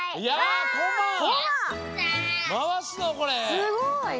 すごいね！